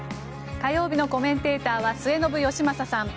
火曜日のコメンテーターは末延吉正さん。